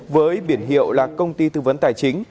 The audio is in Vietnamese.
với biển hiệu là công ty tư vấn tài chính